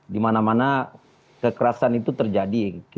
di mana mana kekerasan itu terjadi